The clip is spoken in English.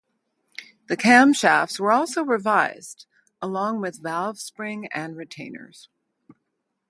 The camshafts were also revised along with valve spring and retainers.